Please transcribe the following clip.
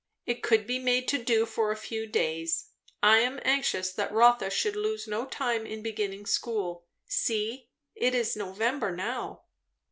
"It could be made to do for a few days. I am anxious that Rotha should lose no time in beginning school. See, it is November now."